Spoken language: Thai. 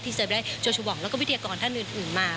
ที่เจอไปได้โจชวงศ์และวิทยากรท่านอื่นมา